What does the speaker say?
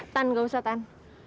tan gak usah tan